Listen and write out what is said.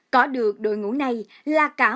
có được đội ngũ này là cả một quá trình